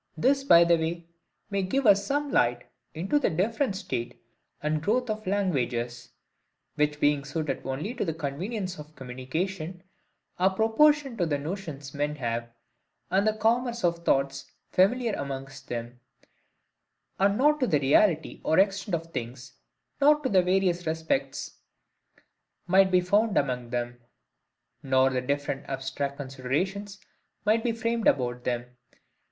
This, by the way, may give us some light into the different state and growth of languages; which being suited only to the convenience of communication, are proportioned to the notions men have, and the commerce of thoughts familiar amongst them; and not to the reality or extent of things, nor to the various respects might be found among them; nor the different abstract considerations might be framed about them.